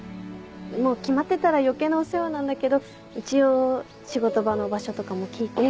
もう決まってたら余計なお世話なんだけど一応仕事場の場所とかも聞いて。